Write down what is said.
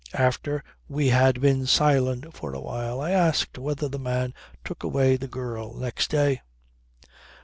After we had been silent for a while I asked whether the man took away the girl next day.